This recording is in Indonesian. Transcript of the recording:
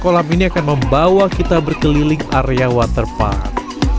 dan kolam ini akan membawa kita berkeliling area waterpark